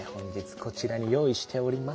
こちらに用意しております。